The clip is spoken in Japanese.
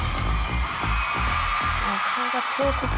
顔が彫刻。